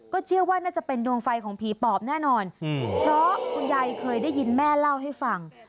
เชื่อว่าน่าจะเป็นดวงไฟของผีปอบแน่นอนเพราะคุณยายเคยได้ยินแม่เล่าให้ฟัง